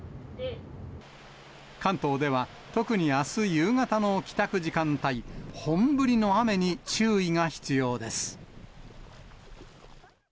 関東では、特にあす夕方の帰宅時間帯、本降りの雨に注意が必要です。